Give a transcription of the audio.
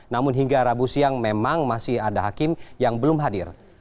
namun hingga rabu siang memang masih ada hakim yang belum hadir